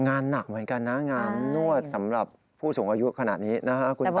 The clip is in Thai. งานหนักเหมือนกันนะงานนวดสำหรับผู้สูงอายุขนาดนี้นะฮะ